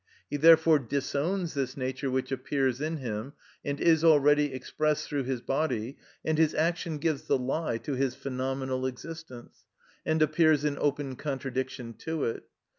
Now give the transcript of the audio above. He therefore disowns this nature which appears in him, and is already expressed through his body, and his action gives the lie to his phenomenal existence, and appears in open contradiction to it.